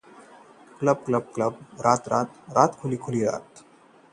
हमारा क्लब पूरी रात खुला है।